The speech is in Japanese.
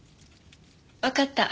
わかった。